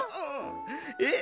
えっ？